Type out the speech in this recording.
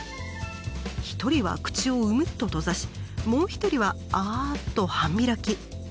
一人は口をウムっと閉ざしもう一人はアっと半開き。